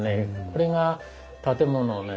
これが建物をね